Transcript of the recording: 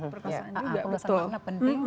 perkuasaan juga penting